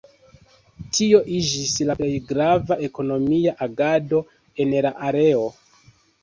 Tio iĝis la plej grava ekonomia agado en la areo.